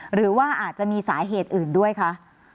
หรือว่าอาจจะมีสาเหตุอื่นด้วยคะ